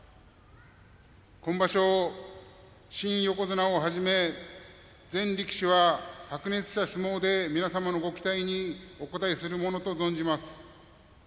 今場所、新横綱をはじめ全力士は白熱した相撲で皆様のご期待にお応えするものと存じます。